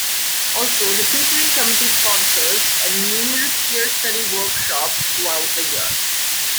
Also, The Tutoring Committee sponsors numerous Peer Study Workshops throughout the year.